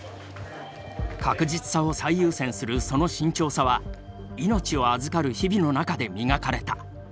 確実さを最優先するその慎重さは命を預かる日々の中で磨かれた。